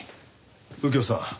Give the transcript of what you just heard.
右京さん